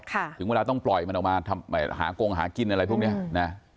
ถึงเวลาต้องปล่อยมันออกมาหากงหากินอะไรพวกเนี้ยนะ